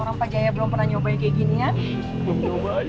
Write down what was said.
orang pak jaya belum pernah nyobain kayak ginian